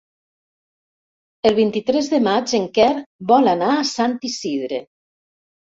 El vint-i-tres de maig en Quer vol anar a Sant Isidre.